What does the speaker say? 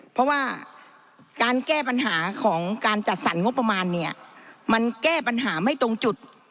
เพราะว่าการแก้ปัญหาของการจัดสรรงบประมาณเนี่ยมันแก้ปัญหาไม่ตรงจุด